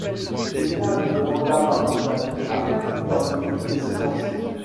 Eh bien? demanda Barbicane, après plusieurs minutes de silence.